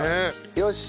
よし。